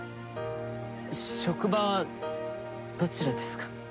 職場はどちらですか？